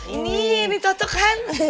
ini ini cocok kan